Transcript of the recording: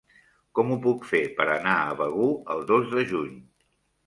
Com ho puc fer per anar a Begur el dos de juny?